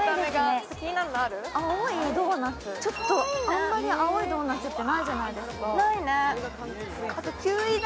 あまり青いドーナツってないじゃないですか。